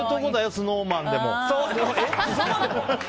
ＳｎｏｗＭａｎでも？